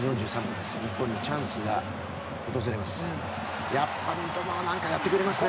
日本にチャンスが訪れます。